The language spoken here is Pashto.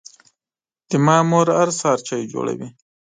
زما مور هر سهار چای جوړوي.